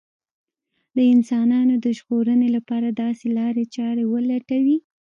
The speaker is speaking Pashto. د انسانانو د ژغورنې لپاره داسې لارې چارې ولټوي